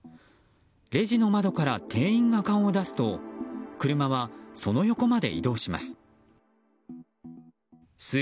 レジの窓から店員が顔を出すと車はその横まで移動します。